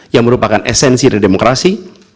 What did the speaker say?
yang merupakan esensi dari demokrasi